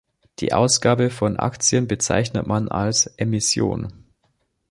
Die Ausgabe von Aktien bezeichnet man als Emission.